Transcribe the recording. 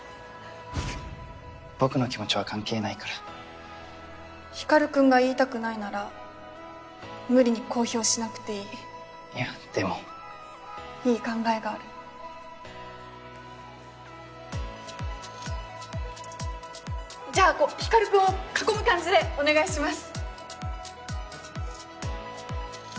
僕の気持ちは関係ないから光君が言いたくないなら無理に公表しなくいやでもいい考えがあるじゃあこう光君を囲む感じでお願いきます